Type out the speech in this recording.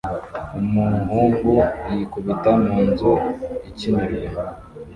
Umuhungu yikubita mu nzu ikinirwa